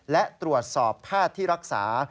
และตรวจสอบภาพที่รักษา